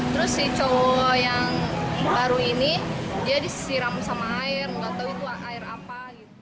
terus si cowok yang baru ini dia disiram sama air nggak tahu itu air apa